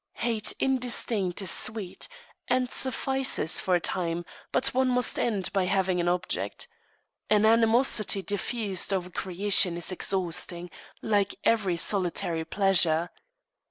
Hate indistinct is sweet, and suffices for a time; but one must end by having an object. An animosity diffused over creation is exhausting, like every solitary pleasure.